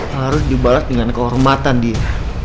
harus dibalat dengan kehormatan dia